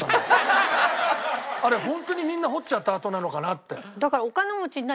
あれホントにみんな掘っちゃったあとなのかなって。